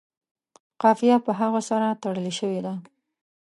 قافیه په هغه سره تړلې شوې ده.